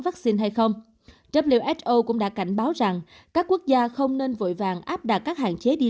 vaccine hay không who cũng đã cảnh báo rằng các quốc gia không nên vội vàng áp đặt các hạn chế đi